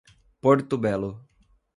Porto Belo